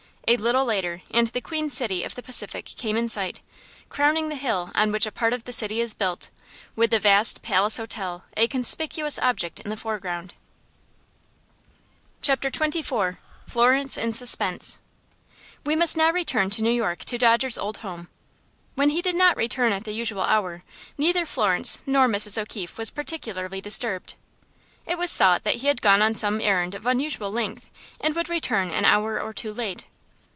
A little later and the queen city of the Pacific came in sight, crowning the hill on which a part of the city is built, with the vast Palace Hotel a conspicuous object in the foreground. Chapter XXIV. Florence In Suspense. We must now return to New York to Dodger's old home. When he did not return at the usual hour, neither Florence nor Mrs. O'Keefe was particularly disturbed. It was thought that he had gone on some errand of unusual length, and would return an hour or two late.